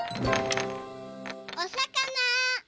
おさかな。